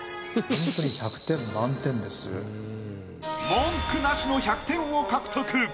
文句なしの１００点を獲得。